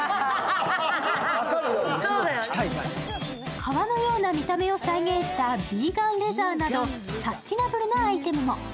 革のような見た目を再現したビーガンレザーなど、サステイナブルなアイテムも。